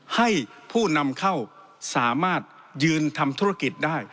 ให้ผู้นำเข้าสามารถยืนทำธุรกิจได้